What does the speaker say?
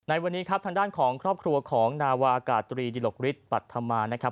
ในวันนี้ทางด้านของครอบครัวของนาวากาศตรีดีโลกฤตปรัฐธรรมา